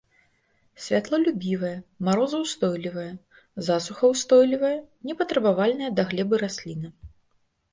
Святлолюбівая, марозаўстойлівая, засухаўстойлівая, не патрабавальная да глебы расліна.